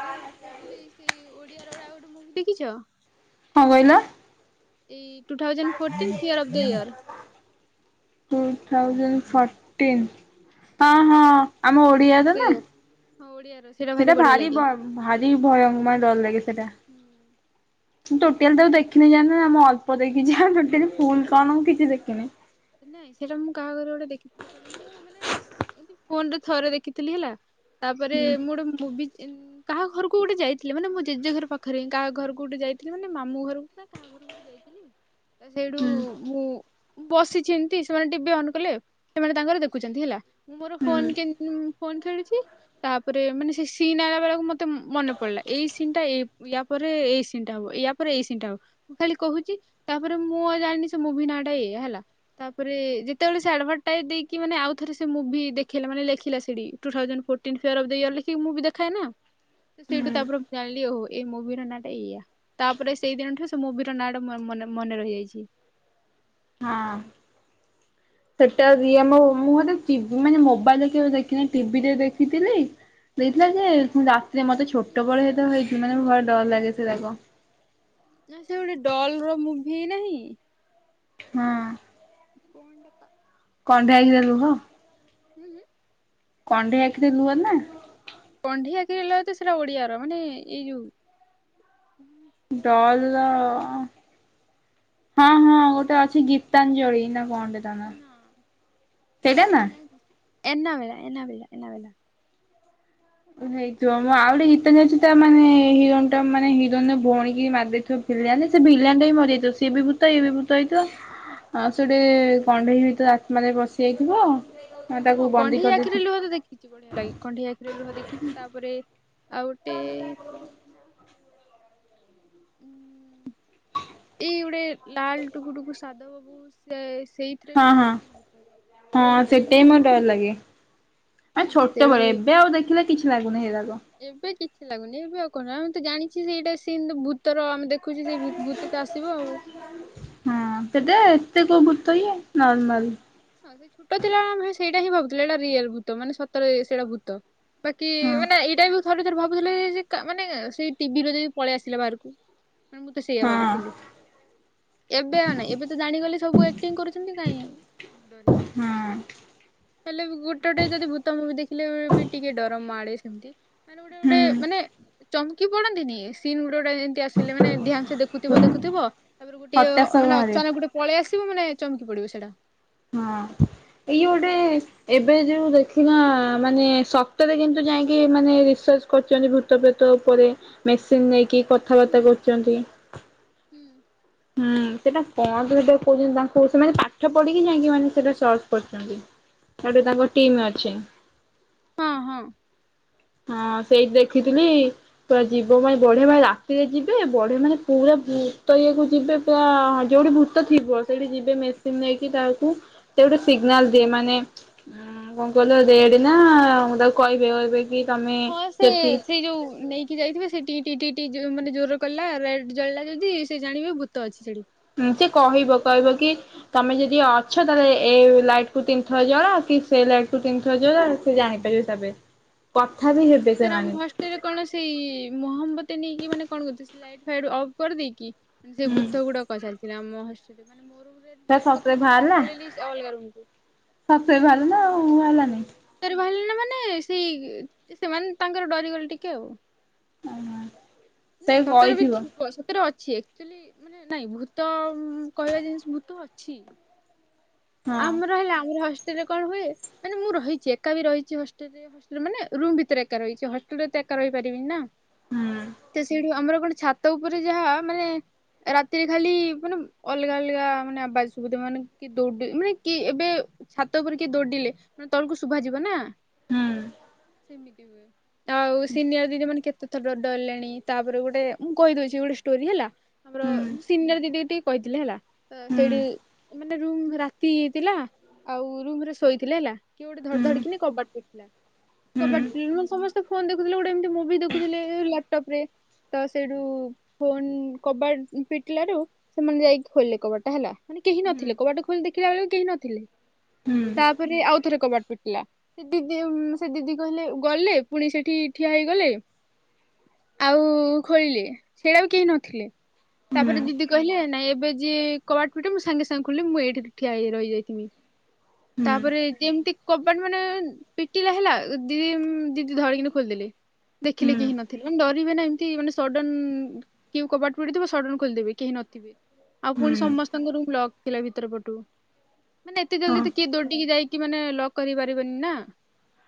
ଆରେ ମୁଁ କୋଉଥିଲି ସେଇ ଓଡିଆର ଆଉ ଆଉ ଗୋଟେ ମୁଭି ଦେଖିଚ। କଁ କହିଲ? ଏଇ two thousand fourteen fear of the year. Two thousand fourteen. ହଁ ହୁଁ ହଁ ଆମ ଓଡିଆ ଫିଅର୍ ତ ଅଫ ଦ ନା। ଇଅର୍ ହଁ ଓଡ଼ିଆର। ସେଇଟା ଭାରି ଭ ଭାରି ଭୟଙ୍କ ମାନେ ଡର ଲାଗେ ସେଟା। [unintelligible] ମୁଁ ଟୋଟ୍ୟାଲି ତାକୁ ଦେଖିନେଇ ଜାଣିନି, ଆ ମୁଁ ଅଳ୍ପ ଦେଖିଚି ହାଁ ଟୋଟାଲି ଫୁଲ୍ କଣ ମୁଁ କିଛି ଦେଖିନି। ନାଇଁ ସେଇଟା ମୁଁ କାହାଘରେ ଗୋଟେ ଦେଖିଥିଲି କହିଲେ ମୁଁ ମାନେ ଏମତି ଫୋନରେ ଥରେ ଦେଖିଥିଲି ହେଲା। ତାପରେ ହୁଁ ମୁଁ ଗୋଟେ ମୁଭି [unintelligible] କାହା ଘରୁକୁ ଗୋଟେ ଯାଇଥିଲେ ମାନେ ମୋ ଜେଜେ ଘର ପାଖେରେ ହିଁ କାହା ଘରୁକୁ ଗୋଟେ ଯାଇଥିଲେ, ମାନେ ମାମୁଁ ଘରୁକୁ ନା କାହା ଘରୁକୁ ଯାଇଥିଲି। ତ ସେଇଠୁ ହୁଁ ମୁଁ ବସି ଚି ଏମତି ସେମାନେ ଟିବି ଅନ୍ କଲେ ଆଉ ସେମାନେ ତାଙ୍କର ଦେଖୁଛନ୍ତି ହେଲା। ମୋର ହୁଁ ଫୋନ୍ କେନ୍ ଉମ ଫୋନ୍ ଖେଳୁଛି। ତାପରେ ମାନେ ସେ ସିନ୍ ଆଇଲା ବେଳକୁ ମତେ ମନେ ପଡିଲା ଏଇ ସିନ୍ ଟା ଏଇ ୟା ପରେ ଏଇ ସିନ୍ ଟା ହବ ୟା ପରେ ଏଇ ସିନ୍ ଟା ହବ। ମୁଁ ଖାଲି କୋହୁଛି, ତାପରେ ମୁଁ ଆଉ ଜାଣିନି ସେ ମୁଭି ନାଁଟା ଏୟା ହେଲା। ତାପରେ ଯେତେବେଳେ ସେ ଆଡଭରଟାଇଜ୍ ଦେଇକି ମାନେ ଆଉ ଥରେ ସେ ମୁଭି ଦେଖେଇଲା, ମାନେ ଲେଖିଲା ସେଠି two thousand fourteen fear of the year ଲେଖିକି ମୁବି ଦେଖାଏନା, ତ ସେଇଠୁ ହୁଁ ତାପରେ ମୁଁ ଜାଣିଲି ଓହୋ। ଏଇ ମୁଭି ର ନାଁ ଟା ଏଇଆ, ତାପରେ ସେଇଦିନଠୁ ସେ ମୁଭି ର ନାଁ ଟା ମୋର ମନେ ମନେ ରହିଯାଇଛି। ହାଁଆଁ। ସେଟା ବଢିଆ ଇଏ ଲାଗେ। ମୁଁ ମୁଁ ହେଟା ଚିବ୍ ମାନେ ମୋବାଇଲରେ କେବେ ଦେଖିନାଇଁ ଟିଭିରେ ଦେଖିଥିଲି। ଦେଇଥିଲା ଯେ ରାତିରେ ମତେ ଛୋଟ ବଳେ ହେଇଥିବ ମୁଁ ହେଇଥିବି ମାନେ ଭାରି ଡର ଲାଗେ ସେଉରାକ। ନା ସେ ଗୋଟେ ଡଲ୍ ର ମୁଭି ନାହିଁ। ହଁଅଁ। କଁନ ଟା କା କଣ୍ଢେଇ ଆଖିରେ ଲୁହ। ହୁଁ ହୁଁ କଣ୍ଢେଇ ଆଖିରେ ଲୁହ ନା? କଣ୍ଢେଇ ଆଖିରେ ଲୁହ ତ ସେଟା ଓଡିଆର ମାନେ ଏଇ ଯୋଉ କୋଉ ଡଲ ର ଗୋଟେ ହଁ ହଁ ଗୋଟେ ଅଛି ଗୀତାଞ୍ଜଳି ନା କଣ ଟେ ତା ନା, ସେଇଟା ନା? ଏନ୍ ବେଲା ଏନା ବେଲା ଏନା ବେଲା। ହେଇଥିବ ମୁଁ ଆଉ ଗୋଟେ ଗୀତ ଯ ଅଛି ତା ମାନେ ହିରୋଇନ୍ ଟା ମାନେ ହିରୋଇନର ଭଉଣୀକି ମାରିଦେଇଥବ କେଜାଣି ସେ ଭିଲିଆନ ଟା ବି ମରିଯାଇଥିବ ସିଏ ବି ଭୂତ ଇଏ ବି ଭୂତ ହେଇଥିବ। ଆଉ ସେଗୋଟେ କଣ୍ଢେଇ ଭିତରେ ଆତ୍ମାରେ ବସିଯାଇଥିବ ଆଉ ତାକୁ ବନ୍ଦୀ କରିଦେଇଥି କିଛି ବଳିିଆ ଲାଗେ କଣ୍ଢେଇ ଆଖିରେ ଲୁହ ଦେଖିଛି ତାପରେ ଆଉ ଗୋଟେ କଣଟା ଉ ଏଇ ଗୋଟେ ଲାଲ ଟୁକୁ ଟୁକୁ ସାଧବ ବୋହୂ ସେ ସେଇ ଥୀରେ ହଁ ବି ହଁ ଟିକେ ଭୂତ ଅଛି। ହଁ ସେଟା ବି ମୋର ଡର ଲାଗେ, ଆ ହୁଁ ଛୋଟ ସେଇଟା ବଳେ ବି ଏବେ ଆଉ ଦେଖିଲେ କିଛି ଲାଗୁନି ସେଗୁରାକ। ଏବେ କିଛି ଲାଗୁନି ଏବେ ଆଉ କଣ ଆମେ ତ ଜାଣିଛି ସେଇଟା ସେ ଭୂତର ଆମେ ଦେଖ ଦେଖୁଛୁ ସେଇ ବୁ-ଭୂତ ତ ଆସିବ ଆଉ। ହଁ ସେଟା ଏତେ କୋଉ ଭୂତ ଇଏ ନର୍ମାଲ। ହଁ ସେ ଛୋଟ ଥିଲାବେଳେ ଆମେ ସେଇଟା ହିଁ ଭାବୁଥିଲେ ଏଇଟା ରିଅଲ ଭୂତ ମାନେ ସତରେ ସେଇଟା ଭୂତ। ବାକି ହଁ ମାନେ ଏଇଟା ବି ଥରେ ଥରେ ଭାବୁଥିଲେ ଯେ କା ମାନେ ସେ ଟିଭି ରୁ ଯଦି ପଳେଇ ଆସିଲା ବାହାରକୁ? ମୁଁତ ସେଇଆ ହଁ ଭାବୁଥିଲି। ଏବେ ଆଉ ନାଇ ଏବେ ତ ଜାଣିଗଲେ ସବୁ ଆକ୍ଟିଂ କରୁଛନ୍ତି କାଇଁ ହଁ। ହେଲେ ଗୋଟେ ଗୋଟେ ଯଦି ଭୂତ ମୁଭି ଦେଖିଲେ ବି ଟିକେ ଡର ମାଡ଼େ। ସେମତି ମାନେ ଗୋଟେ ଗୋଟେ ମାନେ ହୁଁ ଚମକି ପଡନ୍ତିନି ସିନ୍ ଗୋଟେ ଗୋଟେ ଯେମତି ଆସିଲେ ମାନେ ଦେହ ହା ସେ ଦେଖୁଥିବ ଦେଖୁଥିବ ତାପରେ ଗୋଟେ ହତାଶ ମାନେ ବାହାରେ ଅଚାନକ ଗୋଟେ ପଳେଇ ଆସିବ ମାନେ ଚମକି ପଡିବ ସେଇଟା। ହଁ ଏଇ ଯୋଉ ଗୋଟେ ଏବେ ଯୋଉ ଦେଖିନ ମାନେ ସତରେ କିନ୍ତୁ ଯାଇକି ମାନେ ରିସର୍ଚ୍ଚ କରୁଛନ୍ତି ଭୂତପ୍ରେତ ଉପରେ ମେସିନ୍ ନେଇକି ହୁଁ କଥାବାର୍ତ୍ତା କରୁଛନ୍ତି। ହୁଁ। ହୁଁ ସେଟା କଣ ତ ସେଟା କହୁଛନ୍ତି ତାଙ୍କୁ ସେମାନେ ପାଠ ପଢିକି ଯାଇକି ମାନେ ସେଟା ସର୍ଚ୍ଚ କରଛନ୍ତି। ସେଠୁ ତାଙ୍କ ହଁ ବା ହଁ ହଁ। ହଁ ସେଇଠି ଦେଖିଥିଲି ପୁରା ଯିବ ମାନେ ବଢିଆ ଭାଇ ରାତିରେ ଯିବେ ବଢିଆ ମାନେ ପୁରା ଭୂତ ଇଏକୁ ଯିବେ ତ ଯୋଉଠି ଭୂତ ଥିବ ସେଇଠି ଯିବେ ମେସିନ ନେଇକି ତାକୁ ସେ ଗୋଟେ ସିଗ୍ନାଲ ହୁଁ। ଦିଏ ମାନେ ଉଁ କଣ କହିଲ ରେଡ ନା ତାକୁ କହିବେ କହିବେ କି ତମେ ହଁ ସେ ଯଦି ସେଇ ଯୋଉ ନେଇକ କି ଯାଇଥିବେ ସେଠି ଟି ଟିଟି ଯୋ ମାନେ ଜୋର କଲା ରେଡ ଜଳିଲା ଯଦି ସେ ଜାଣିବେ ଭୂତ ଅଛି ସେଠି। ଏମତି କହିବ କହିବ କି ତମେ ଯଦି ଅଛ ତାହେଲେ ଏ ଲାଇଟ କୁ ତିନିଥର ଜଳାଅ କି ସେଇ ଲାଇଟ୍ କୁ ତିନିଥର ଜଳାଅ ସେ ଜାଣିପାରିବେ ସେବେ ହୁଁ ଏଥିରେ ଆମ ଭଏସ ରେ କଣ ସେଇ ମହମତୀ ନେଇକି ମାନେ କଣ କହୁ ଲାଇଟ ଫାଇଟ ଅଫ୍ କରିଦେଇକି ସେ ହୁଁ ଭୂତ କୁ ଡକା ଚାଲିଥିଲା ଆମ ହଷ୍ଟଲରେ ମାନେ ମୋ ରୁମରେ ତାହେଲେ ସତରେ ଡାକୁଥିଲା ମୁଁ ବାହାରିଲା? ପଳେଇଲି ଅଲଗା ରୁମକୁ। ସତରେ ବାହାରିଲା ନା ଆଉ ବାହାରିଲାନି? [inaudible] ବାହାରିଲେ ନା ମାନେ ସେଇ ସେମାନେ ତାଙ୍କର ଡରିଗଲେ ଟିକେ ଆଉ ଓହୋ ସେ ନାଇଁ ସତରେ ବି କହିଥିବ ଥିବ ସତରେ ଅ ଛି [inaudible] ମାନେ ନାଇଁ ଭୂତ କହିବା ଜିନିଷ ଭୂତ ଅଛି। ହଁ ଆମର ହେଲା ଆମର ହଷ୍ଟେଲରେ କଣ ହୁଏ ମାନେ ମୁଁ ରହିଛି ଏକା ବି ରହିଛି ହଷ୍ଟେଲରେ। ହଷ୍ଟେଲ ମାନେ ରୁମ ଭିତରେ ଏକା ରହିଚି ହଷ୍ଟେଲରେ ତ ଏକା ରହିପାରିବି ନା। ହୁଁ ତ ସେଇଠୁ ଆମର ଗୋଟେ ଛାତ ଉପରେ ଯାହା ମାନେ ରାତିରେ ଖାଲି ମାନେ ଅଲଗା ଅଲଗା ମାନେ ଆବାଜ ସୁବୁଥୁବ ମାନେ କି ଦୌ ମାନେ କି ଏବେ ଛାତ ଉପରେ କିଏ ଦୌଡିଲେ ମାନେ ତଳକୁ ଶୁଭାଯିବ ନା। ଏମିତି ହୁଏ, ତ ଆଉ ସିନିୟର ଦିନ ମାନେ କେତେ ତ ଡରିଲଣି ତାପରେ ଗୋଟେ ମୁଁ କହିଦଉଛି ଗୋଟେ ଷ୍ଟୋରି ହେଲା। ଆମର ହୁଁ ସିନିୟର ଦିଦି ଯେତିକି କହିଥିଲି ହେଲା, ଅ ହୁଁ ସେଇଠି ମାନେ ରୁମ ରା ତି ହେଇଥିଲା ଆଉ ରୁମ ରେ ଶୋଇଥିଲା ହେଲା କିଏ ଗୋଟେ ହୁଁ ଧଡ଼ ଧଡ଼ କିନି କବାଟ ପି ହୁଁ ହୁଁ କବାଟ [unintelligible] ସମସ୍ତେ ଫୋନ ଦେଖୁଥିଲେ ଗୋଟେ ମୁଭି ମୁଭି ଦେଖୁଥିଲେ ଲପଟପରେ ତ ସେଇଠୁ ଫୋନ କବାଟ ପିଟିଲାଟୁ ସେମାନେ ଯାଇକି ଖୋଲିଲେ କବାରଟା ହେଲା। ମାନେ କେହି ହୁଁ ନଥିଲେ କବାଟ ଖୋଲି ଦେଖିଲା ବେଳେକୁ କେହି ନଥିଲେ ହୁଁ ତାପରେ ଆଉ ଥରେ କବାଟ ପି ଟୀଲା ଦିଦି ଦି-ସେ ଦିଦି କହିଲେ ଗଲେ ପୁଣି ସେଠି ଠିଆ ହେଇଗଲେ ଆଉ ଖୋଳିଲେ ସେଇଟି ବଆଉ କେହି ନଥିଲେ। ହୁଁ ତାପରେ ଦିଦି କହିଲେ ନାଇଁ ଏବେ ଯିଏ କବାଟ ପିଟିବ ମୁଁ ସାଙ୍ଗେ ସାଙ୍ଗେ ଖୋଲିମି ମୁଁ ଏଇଠି [unintelligible] ହୁଁ ପିଟିଲା ହେଲା ଦି ଦିଦି ଧରିକିନି ଖୋଲିଦେଲଲେ ଦେଖିଲି ହୁଁ କେ ହଁ ନଥିଲେ ମାନେ ଡର ଏମତି ମାନେ ଏମିତି ସଡନ କେ କବାଟ ପିଟୁଥିବା ସଡନ ଖୋଲିଦେବେ କେହି ନଥିବେ। ଆଉ ହୁଁ ପୁଣି ସମସ୍ତଙ୍କର ବ୍ଲକ ଥିଲା ଭିତର ପଟୁ। ମାନେ ଏତେ ଜଲଦି ହଁ ତ କିଏ ଦୌଡିକି ଯାଇକି ମାନେ ଲକ୍ କରିପାରିବନି ନା।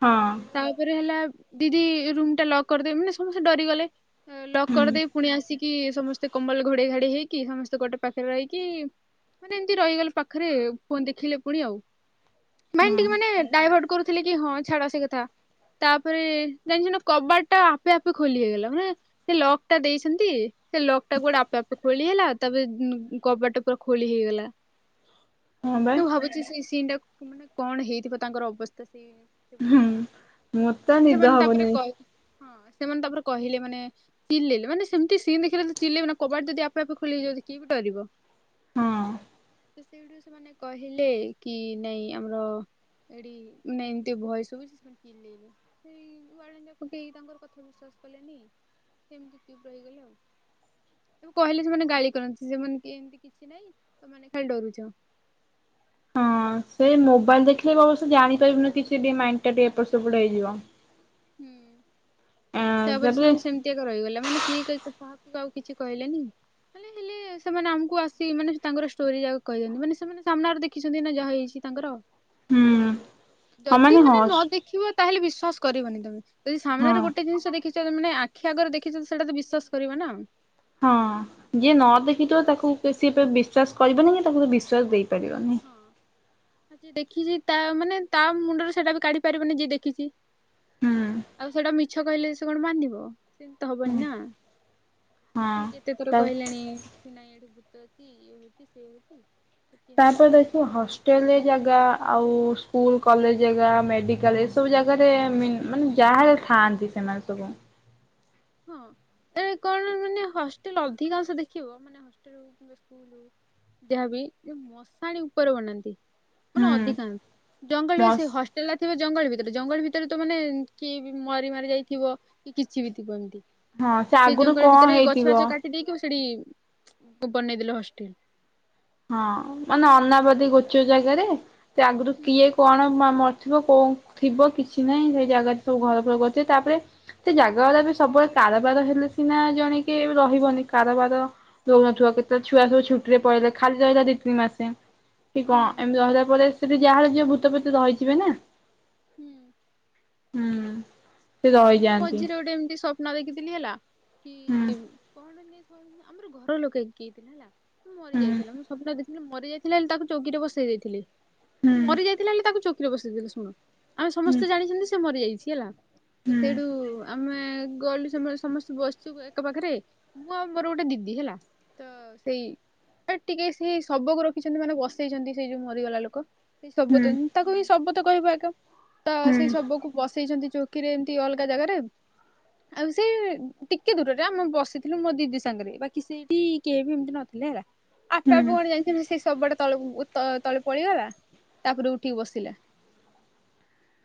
ହଁ ତାପରେ ହେଲା ଦିଦି ରୁମ ଟା ଲକ୍ କରିଦେବେ ମାନେ ସମସ୍ତେ ଡରିଗଲେ। ଲକ ହୁଁ କଦେଇ ପୁଣି ଆସିକି ସମସ୍ତେ କମ୍ବଲ ଘୋଡେଇ ଘାଡେଇ ହେଇକି ସମସ୍ତେ ଗୋଟେ ପାଖରେ ରହିକି ମାନେ ଏମିତି ରହିଗଲେ ପାଖରେ ଫନ ଦେଖିଲେ ପୁଣି ଆଉ। ମାଇଣ୍ଡ ହୁଁ ଟିକେ ମାନେ ଡାଇଭର୍ଟ କରୁଥିଲେ କି ହଁ ଛାଡ ସେ କଥା। ତାପରେ ଜାଣିଚୁ ନା କବାଟ ଟା ଆପେ ଆପେ ଖୋଲି ହେଇଗଲା ମାନେ ସେ ଲକ୍ ଟା ଦେଇଛନ୍ତି ସେ ଲକ୍ ଟା କୁଆଡେ ଆପେ ଆପେ ଖୋଲି ହେଲା ତାପରେ କବାଟ ପୁରା ଖୋଲି ହେଇଗଲା। ହଁ ବା ମୁଁ ଭାବୁଚି ସେ ସିନ୍ ଟା ମାନେ କଣ ହେଇଥିବ ତାଙ୍କର ଅବସ୍ଥା ସେ ସେପଟେ। ମୁଁ ତ ମାନେ ନିଦ ସେମାନେ ତାପରେ ହବନି। କହି ହଁ ସେମାନେ ତାପରେ କହିଲେ ମାନେ ଚିଲେଇଲେ ମାନେ ସେମତି ସିନ୍ ଦେଖିଲେ ତ ଚିଲେଇ ନା କବାଟ ଯଦିପେ ଆପେ ଖୋଲିଇଯାଉ କିଏବି ଡରିବ। ହଁ ସେ ସେଇଠୁ ସେମାନେ କହିଲେ କି ନାଇଁ ଆମର ଏଠି ଏମତି ଭୟ ସବୁ [unintelligible] [unintelligible] ବୁ କହିଲେ ସେମାନେ ଗାଳି କରନ୍ତି ସେମାନେ କିଏ ଏମିତି କିଛି ନାଇଁ ତମାନେେ ଖାଲି ଡରୁଚ। ହଁ ସେ ମୋବାଇଲ ଦେଖିଲେ ବି ଅବଶ୍ୟ ଜାଣିପାରିବୁନି କିଛି ଟିକ ମାଇଣ୍ଡ ଟା ଟିକେ ଏପଟ ସେପଟ ହେଇଯିବ। ହୁଁ ତାପରେ ସେମାନେ ସେମେ [unintelligible] ହେଲେ ହେଲେ ସେମାନେ ଆମକୁ ଆସି ମାନେ ତାଙ୍କର ଷ୍ଟୋରି ଯା କହିଛନ୍ତି ମାନେ ସେମାନେ ସାମ୍ନାରେ ଦେଖିଛନ୍ତି ନା ଯାହା ହେଇଛି ତାଙ୍କର। ହୁଁ ହଁ ଯଦି ହଁ ମାନେ ନ ଦେଖିବ ତାହେଲେ ବିଶ୍ଵାସ କରିବନି ତମେ। ଯଦି ସାମ୍ନାରେ ହଁ ଗୋଟେ ଜିନିଷ ଦେଖିଚ ମାନେ ଆଖି ଆଗରେ ଦେଖିଚ ତ ସେଟା ତ ବିଶ୍ୱାସ କରିବା ନା। ହଁ ଯିଏ ନ ଦେଖିଥିବ ତାକୁ ସିଏ ବିଶ୍ଵାସ କରିବନି କି ତାକୁ ତ ବିଶ୍ୱାସ ଦେଇ ହୁଁ ହଁ। ଯିଏ ଦେଖିଚି ତା ମାନେ ତା ମୁଣ୍ଡରେ ସେଇଟା ବି କାଢି ପାରିବନି ଯିଏ ଦେଖିଚି। ହୁଁ ଆଉ ସେଇଟା ମିଛ କହିଲେ ସେ କଣ ମନିବ ସେମିତି ତ ହବନି ହଁ ନା। କେତେ ଥର ତା କହିଲେଣି ନାଇଁ ଏଠି ଭୂତ ଅଛି ଇଏ ହୋଉଚି ସିଏ ହୋଉଚି ତାପରେ ଦେଖବୁ ହସ୍। ହୋଟେଲ ଜାଗା ଆଉ ସ୍କୁଲ କଲେଜ ଜେଗା ମେଡିକାଲ ଏସବୁ ଜାଗାରେ ମାନେ ଯାହାର ଥାଆନ୍ତି ସେମାନେ ସବୁ। ହଁ ଏ କଣ ମାନେ ହଷ୍ଟେଲ ଅଧିକାଂଶ ଦେଖିବ ମାନେ ହଷ୍ଟେଲ [unintelligible] ଯହା ବି ମଶାଣି ଉପରେ ବନାନ୍ତି ହୁଁ ମାନେ ଅଧିକାଂସ। ଜଙ୍ଗଲରେ ସେ ମସ୍ ହସ୍ ଥିବ ଜଙ୍ଗଲ ଭିତରେ ଜଙ୍ଗଲ ଭିତରେ ତ ମାନେ କିଏ ମରି ମାରି ଯାଇଥିବ କି କିଛି ବି ହଁ ସେ ଆଗରୁ ଜଙ୍ଗଲ କଣ ଭିତରେ ଗଛ ବାଛ ହେଇଥିବ କାଟ୍ ଦେକିବୁ ସେଡି କୁ ବନେଇଦେଲେ ହଷ୍ଟେଲ୍ ହଁ ମାନେ ଅନାବାଦୀ ଗୋଚ ଜାଗାରେ ସେ ଆଗରୁ ହୁଁ କିଏ କଣ ମା ମଳା ଥିବ କଉ ଥିବ କିଛି ନାଇଁ ସେଇ ଜାଗାାରେ ସବୁ ଘର ଫର ହଁ। କରିଥିବେ ତାପ୍ରେ ଏତେ ଜାଗାଉରା ବି ସବୁବେଳେ କାଳବାର ହେଲେ ସିନା ଜଣେ କି ରହିବନି କାରବାର ଦଉନଥିବ କେତେ ଛୁଆ ସବୁ ଛୁଟିରେ ପଳେଇଲେ। ଖାଲି ରହିଲା ଦି ତିନି ମାସେ କି ହୁଁ କଂ ଏମ୍ତି ରହିଲା ପରେ ସେଠି ଯାହାର ଯିବ ଭୂତ ପେତ ରହିଥିବେ ନା। ହୁଁ। ହୁଁ। ସେ ମୁଁ ରହିଯାଆନ୍ତି ମଝିରେ ଗୋଟେ ଏମ୍ତି ସ ନ ଦେଖିଥିଲି ହେଲା କି ହୁଁ କଣ ଯେ ଆମର ଘର ଲୋକି କିଏ ଥିଲା ହେଲା। ମୁଁ ମରି ହୁଁ ଯାଇଥିଲା ମୁଁ ସ୍ବପ୍ନ ଦେଖଥିଲି ମରି ଯାଇଥିଲା ହେଲେ ତାକୁ ଚୌକିରେ ବସେଇ ଦେଇଥିଲେ। ହୁଁ ମରି ଯାଇଥିଲା ହେଲେ ତାକୁ ଚୌକିରେ ବସେଇଦେଲେ ଶୁଣ ଆମେ ହୁଁ ସମସ୍ତେ ଜାଣିଛନ୍ତି ସେ ମରି ଯାଇଚି ହେଲା। ତ ହୁଁ। ସେଇଠୁ ଆମେ ଗଲୁ ସମ ସମସ୍ତେ ବସିଛୁ ଏକା ପାଖରେ। ମୁଁ ଆଉ ମୋର ଗୋଟେ ଦିଦି ହେଲା ତ ସେଇ ଟିକେ ସେ ଶବକୁ ରଖିଛନ୍ତି ମାନେ ବସେଇଚନ୍ତି ସେଇ ଯୋଉ ମରିଗଲା ଲୋକ। ସେଇ ଶବ ହୁଁ ତ ତାକୁ ଏ ଶବ ତ କହିବ ଆଗ ତ ହୁଁ ସେଇ ଶବକୁ ବସେଇଛନ୍ତି ଚୌକିରେ। ସି ଅଲ୍ଗା ଜାଗାରେ। ଆଉ ସେ ଟିକେ ଦୂରରେ ଆମ ବସିଥିଲୁ ମୋ ଦିଦି ସାଙ୍ଗରେ ବାକି ସେଇଠି କେହିବି ଏମ୍ତି ନଥିଲେ ହେଲା। ହୁଁ ଆପେ ଆପେ କଣ ଜାଣିଚନ୍ତି ସେ ସବଟା ତଳକୁ ତ ତଳେ ପଳେଇଗଲା ତାପରେ ଉଠିକି ବସିଲା।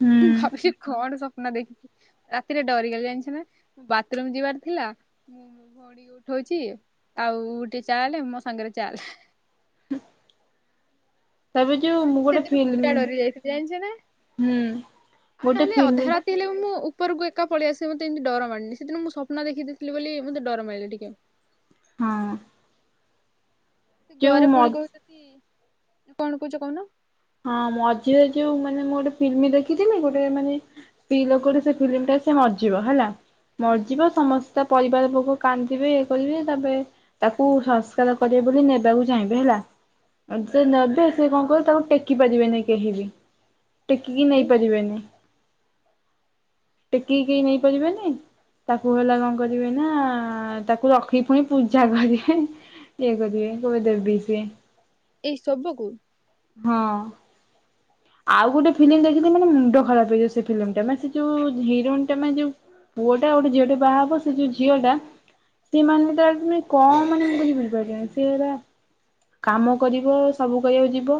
ହୁଁ ମୁଁ ଭାବିଲି କଣ ସପ୍ନ ଦେ ରାତିରେ ଡରିଗଲି ଜାଣ୍ଚ ନା ବାତ୍ରୁମ୍ ଯିବାର ଥିଲା। ଭଉଣୀକୁ ଉଠଉଚି ଆଉ ଉଟି ଚାଲେ ମୋ ସାଙ୍ଗରେ ଚାଲେ। ହୁଁ। ମ୍ୟାମ୍ ସେଦିନ ପୁରା ଫିଲ୍ମ ଡରି ଯାଇଥିଲି ଜାଣ୍ଚ ନା ହୁଁ ଆଉ ଗୋଟେ ନହେଲେ ଅଧା ଫିଲ୍ମ ରାତି ହେଲେ ମୁଁ ଉପରକୁ ଏକା ପଳ୍ୟା ସେ ମତେ ଏମ୍ତି ଡର ମଣିଲି ସେଦିନ ମୁଁ ସପ୍ନ ଦେଖିେଇଥିଲି ବୋଲି ମତେ ଡର ମାଇଲେ ଟିକେ। ହଁ। ସେ ଯୋଉ ଘରେ ମ ପୁଣି କହୁଚନ୍ତି କଣ କହୁଚ କହୁନ। ହଁ ମଝିରେ ଯୋଉ ମାନେ ମୁଁ ଗୋଟେ ଫିଲ୍ମି ଦେଖିଥିଲି ଗୋଟେ ମାନେ ପି ଲୋକଟେ ସେ ଫିଲ୍ମି ଟାରେ ସେ ମର୍ଯିବ ହେଲା ହୁଁ ମର୍ଯିବ ସମସ୍ ତା ପରିବାର ପୋକ କାନ୍ଦିବେ ଇଏ କରିବି ତାପ୍ରେ ତାକୁ ସଂସ୍କାର କରିବେ ବୋଲି ନେବାକୁ ଚାହିଁବେ ହେଲା। ହୁଁ ସେ ନେବେ ସେ କଂ କର୍ବେ ତାଙ୍କୁ ଟେକି ପାରିବେନି କେହି ବି। ଟେକିକି ଆରେ ନେଇପାରିବେନି ଟେକିକି ନେଇପାରିବେନି ତାକୁ ହେଲା କଣ କରିବେ ନା ତାକୁ ରଖି ପୁଣି ପୂଜା କରିବେ। ଇଏ କରିବେ [unintelligible] ଏଇ ସବୁକୁ ହଁ। ଆଉ ଗୋଟେ ଫିଲ୍ମ ମାଲୋ ଦେଖିଲି ମାନେ ମୁଣ୍ଡ ଖରାପ ହେଇଜୀବ ସେ ଫିଲ୍ମ ଟା ମାନେ ସେ ଯୋଉ ହିରୋଇନ୍ ଟା ମାନେ ପୁଅଟା ଗୋଟେ ଝିଅଟେ ବାହାହବ ସେ ଯଉ ଝିଅଟା ସେମାନେ ତ ତମେ କଣ ମାନେ ବୁ ବୁଝ ପାରିଲିନି ସେଟା କାମ କରିବ ସବୁ କରିବାକୁ ଯିବ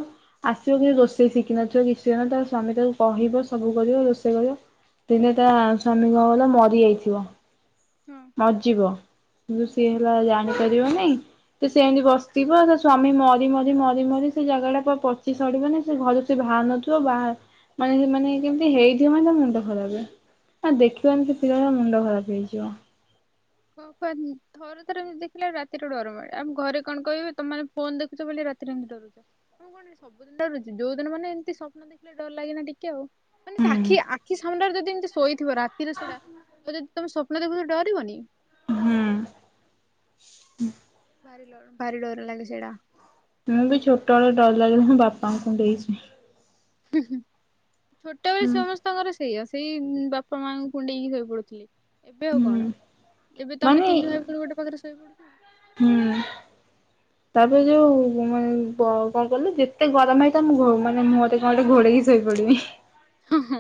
ଆସିବ କିଛି ହୁଁ ରୋଷେଇ ଶିଖିବ କି ନଥିବ କିଛି ହେଇ ନଥିବ ତା ସ୍ଵାମୀ ତାକୁ କହିବ ସବୁ କରିବ ରୋଷେଇ କରିବ ଦିନେ ତା ସ୍ୱାମୀ କଣ ହେଲା ମରିଯାଇଥିବ। ହଁ ବାଜିବ କିନ୍ତୁ ହୁଁ। ସିଏ ହେଲା ଜାଣିପାରିବନି। ତ ସେ ଏମିତି ବସିଥିବ ତା ସ୍ଵାମୀ ମରି ମରି ମରି ମରି ସେ ଜାଗା ଟା ପ ପଚି ସଡିବନି ସେ ଘରୁ ସେ ବାହାର ନଥିବ ବା ମାନେ ମାନେ କେମତି ହେଇଥିବ ମାନେ ତା ମୁଣ୍ଡ ଖରାପ। ଆ ଦେଖିବନି କେତେ ଜାଗା ମୁଣ୍ଡ ଖରାପ ହେଇଯିବ। [unintelligible] ଥର ଥରେ ଦେଖିଲା ରାତିରେ ଡର ମାଡେ। ଆମ ଘରେ କଣ କହିବେ ତମେ ମାନେ ଫୋନ୍ ଦେଖୁଚ ବୋଲି ରାତିରେ ଏମିତି ଡରୁଛ। ମୁଁ କଣ ସବୁଦିନ ଡରୁଛି ଯଉ ଦିନ ମାନେ ଏମିତି ସପନ ଡର ଲାଗେନା ଟିକେ ଆଉ। ମାନେ ସେ ଆଖି ହୁଁ ଆଖି ସାମ୍ନାରେ ଯଦି ଏମିତି ଶୋଇଥିବ ରାତି ସେଟା ତ ଯଦି ତମେ ସ୍ୱପ୍ନ ଦେଖୁ ଥିବ ଡିରିବନି। ହୁଁ। ଭାରି ଡର, ଭାରି ଡୋର ଲାଗ ସେଇଟା। ମୁଁ ବି ଛୋଟବେେଳେ ଡର ଲାଗିଲେ ମୁଁ ବାପା ଙ୍କୁ କଣ୍ଢେଇକି ଶୁଏ। ଉଁ ହୁଁ। ଛୋଟବେଳେ ହୁଁ ସମସ୍ତେ ତାଙ୍କର ସେଇଆଉ ସେଇ ବାପା ମାଆଙ୍କୁ କୁଣ୍ଡେଇକି ଶୋଇ ପଡୁଥିଲେ ଏବେ ଆଉ କଣ ହୁଁ ଏବେ ତମେ ମାନେ ତିନି ଭାଇ ଭଉଣୀ ଗୋଟେ ପାଖରେ ଶୋଇ ପଡୁଛ। ହୁଁ। ହ ତାପରେ ଯୋଉ ମାନେ କଣ କହିଲୁ ଯେତେ ଗରମ ହେଇ ଥାଉ, ମୁଁ ମୁହଁରେ ଗୋଟେ କଣ ଘୋଡ଼େଇକି ଶୋଇପଡ଼ିବି। ହଁ ହଁ।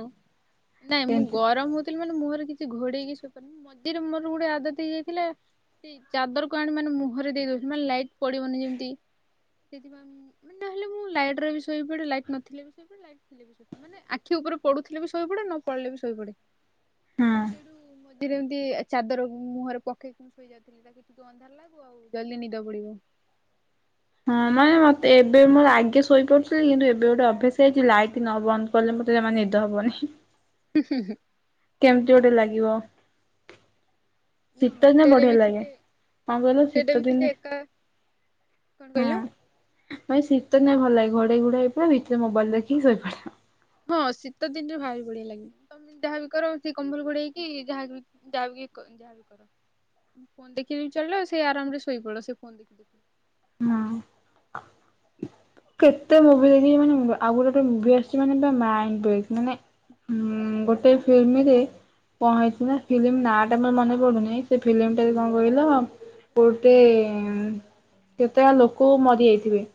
ନାଇଁ ମୁଁ ସେମିତି ଗରମ ମାନେ ମୁହଁରେ କିଛି ଘୋଡେଇକି ଶୋଇପାରୁନି ମଝିରେ ମୋର ଗୋଟେ ଆଦତ ହେଇଯାଇଥିଲା। ସେଇ ଚାଦରକୁ ଆଣି ମାନେ ମୁହଁରେ ଦେଇ ଦଉଛି ମାନେ ଲାଇଟ ପଡିବନି ଯେମିତି। ସେଥିପାଇଁ ମାନେ ନହେଲେ ମୁଁ ଲାଇଟ ର ବି ଶୋଇ ପଡେ ଲାଇଟ ନଥିଲେ ବି ଶୋଇ ପଡେ ଲାଇଟ ଥିଲେ ବି ଶୋଇ ପଡେ। ଆଖି ଉପରେ ପଢୁଥିଲେ ବି ଶୋଇ ପଡେ ନ ପଢିଲେ ବି ଶହି ପଡେ। ହଁ। ସେଇଠୁ ମ ରେ ଯେମିତି ଚାଦର ମୁହଁରେ ପକେଇ ଶୋଇ ଯାଉଥିଲ ଅନ୍ଧାର ଲାଗୁ, ଆଉ ଜଲଦି ନିଦ ପଡିବ। ହଁ ମ ମତେ ଏ ଏବେ ମୋର ଆଗେ ଶୋଇପାରୁଥିଲି କିନ୍ତୁ ଏବେ ଗୋଟେ ଅଭ୍ୟାସା ହେଇଛି ଲାଇଟ୍ ନ ବନ୍ଦ କଲେ ମତେ ଜମା ନିଦ ହବନି। ହୁଁ ହୁଁ ହୁଁ କେମିତି ଗୋଟେ ଲାଗିବ। ନା ଶୀତ ଦିନେ ହଷ୍ଟେଲରେ ବଢିଆ ବି ଲାଗେ। ଥିଲେ, କଣ କହିଲ ଶୀତ ହଷ୍ଟେଲରେ ବି ଦିନେ ଥିଲେ ଏକା କଣ କହିଲ? ମାଇେ ଶୀତ ନାଇଁ ଭଲ ଲାଗେ ଘୋଡେଇ ଘୋଡା ହେଇ ପଡ ଭିତରେ ମୋବାଇଲ ଦେଖିକି ଶୋଇ ପଡିବ। ହଁ ଶୀତ ଦିନରେ ଭାରି ବଳିିଆ ଲାଗିବ। ତମେ ଯାହାବି କର ସେଇ କମ୍ବଲ ଗୋଡେଇକି ଯାହା ଯାହା ଯାହା ବି କର। ମୁଁ ଫୋନ ଦେଖିବି ଚଲିବ ସେ ଆରାମରେ ଶୋଇପଡ ସେ ଫୋନ ଦେଖି ଦେଖି। ହଁ କେତେ ମୁଭି ଦେଖିଚି ମାନେ ଆଉ ଗୋଟେ ଗୋଟେ ମୁଭି ଆସିଛି ମାନେ ପୁରା ମାଇଣ୍ଡ ଫ୍ରେସ ମାନେ। ହୁଁ ଗୋଟେ ଫିଲ୍ମରେ। କଣ ହେଇଛି ନା ଫିଲ୍ମ ନାଁଟା ତ ମର ମନେପଡୁନି ସେ ଫିଲ୍ମଟାରେ କଣ କହିଲ। ଗୋଟେ କେତେଟା ଲୋକ ମରିଯାଇଥିବେ।